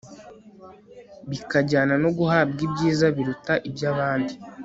bikajyana no guhabwa ibyiza biruta iby'abandi